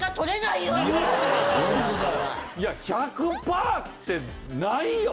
いや１００パーってないよ。